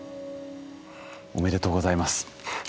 おめでとうございます。